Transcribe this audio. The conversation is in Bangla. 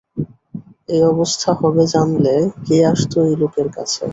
এই অবস্থা হবে জানলে কে আসত এই লোকের কাছে!